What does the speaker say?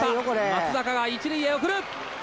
松坂が一塁へ送る！